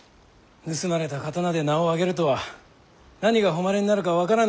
盗まれた刀で名を上げるとは何が誉れになるか分からぬものでございますな。